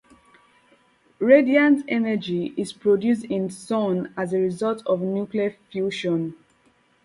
Radiant energy is produced in the sun as a result of nuclear fusion.